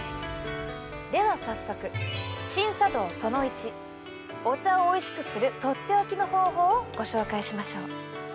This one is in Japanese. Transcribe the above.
では早速、シン茶道その１お茶をおいしくするとっておきの方法をご紹介しましょう。